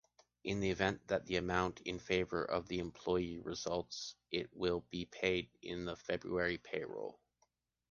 In the event that an amount in favor of the employee results, it will be paid in the February payroll.